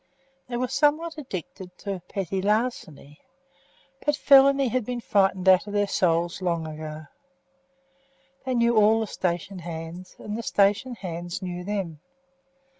They were somewhat addicted to petty larceny, but felony had been frightened out of their souls long ago. They knew all the station hands, and the station hands knew them.